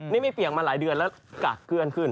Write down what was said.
นี่ไม่เปียกมาหลายเดือนแล้วกากเกื้อนขึ้น